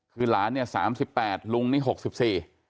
คือหลานเนี่ย๓๘ลุงนี่๖๔